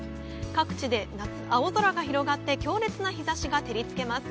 各地で青空が広がって強烈な日差しが照りつけます。